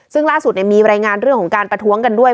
ซึ่งล่าสุดมีรายงานเรื่องของการประท้วงกันด้วย